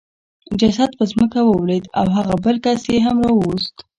جسد په ځمکه ولوېد او هغه بل کس یې هم راوست